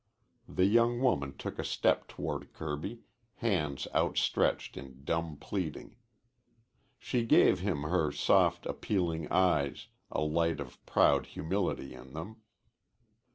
The young woman took a step toward Kirby, hands outstretched in dumb pleading. She gave him her soft, appealing eyes, a light of proud humility in them.